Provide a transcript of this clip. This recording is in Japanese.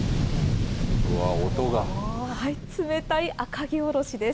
冷たい赤城おろしです。